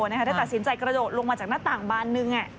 ได้ตัดสินใจกระโดดลงมาจากหน้าต่างบานนึง